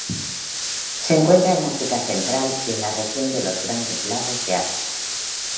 Se encuentra en África central y la región de los Grandes Lagos de África.